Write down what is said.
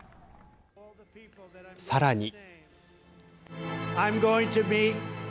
さらに。